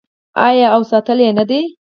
آیا او ساتلی یې نه دی؟